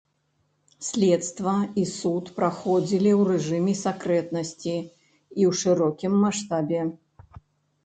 Следства і суд праходзілі ў рэжыме сакрэтнасці і ў шырокім маштабе.